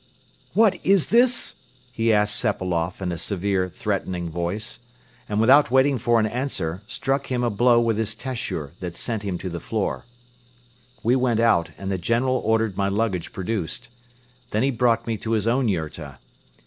"What is this?" he asked Sepailoff in a severe, threatening voice; and, without waiting for an answer, struck him a blow with his tashur that sent him to the floor. We went out and the General ordered my luggage produced. Then he brought me to his own yurta.